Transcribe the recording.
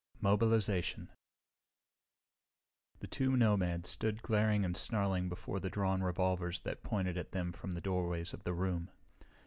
Mobilization The two nomads stood glaring and snarling before the drawn revolvers that pointed at them from the doorways of the room.